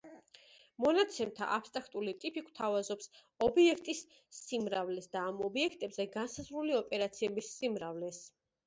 მონაცემთა აბსტრაქტული ტიპი გვთავაზობს ობიექტების სიმრავლეს და ამ ობიექტებზე განსაზღვრული ოპერაციების სიმრავლეს.